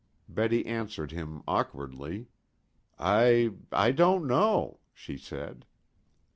Betty answered him awkwardly. "I I don't know," she said.